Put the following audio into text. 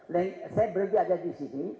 saya berada disini